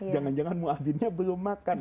jangan jangan mu'adhinnya belum makan